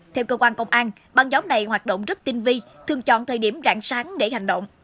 theo cơ quan công an băng gióng này hoạt động rất tinh vi thường chọn thời điểm rạng sáng để hành động